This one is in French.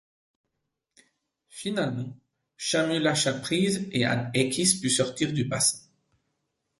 Finalement, Shamu lâcha prise et Anne Eckis put sortir du bassin.